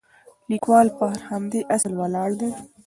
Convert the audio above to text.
لیکوال پر همدې اصل ولاړ دی.